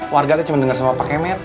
warga tuh cuma denger sama pak kemer